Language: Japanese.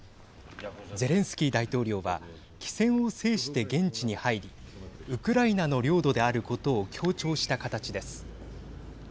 ゼレンスキー大統領は機先を制して現地に入りウクライナの領土であることを強調した形です。